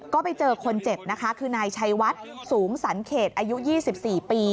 ก็ไปเจอคนเจ็บนะคะคือนายชัยวัดสูงสันเขตอายุ๒๔ปี